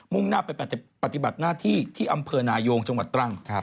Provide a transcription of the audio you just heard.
่งหน้าไปปฏิบัติหน้าที่ที่อำเภอนายงจังหวัดตรัง